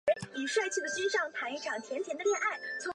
斯坦伯格称歌曲的灵感来源于他的真实情感经历。